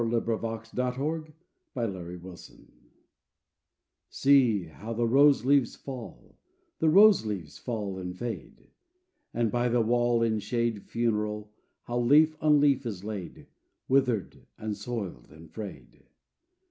"ROSE LEAVES, WHEN THE ROSE IS DEAD" See how the rose leaves fall, The rose leaves fall and fade; And by the wall, in shade funereal, How leaf on leaf is laid, Withered and soiled and frayed!